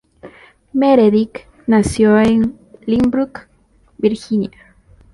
Meredith nació en Lynchburg, Virginia.